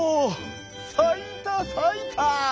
さいたさいた！